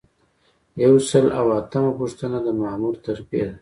یو سل او اتمه پوښتنه د مامور ترفیع ده.